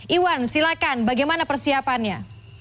iwan silakan bagaimana persiapannya